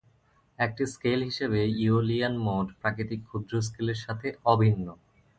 একটি স্কেল হিসাবে Aeolian mode প্রাকৃতিক ক্ষুদ্র স্কেলের সাথে অভিন্ন।